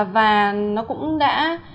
và nó cũng đã